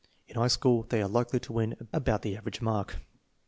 In high school they are likely to win about the average mark.